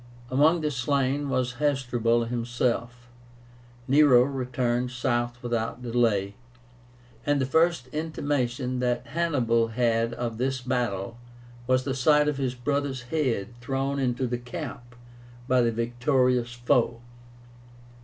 Among the slain was Hasdrubal himself. Nero returned south without delay, and the first intimation that Hannibal had of this battle was the sight of his brother's head thrown into the camp by the victorious foe.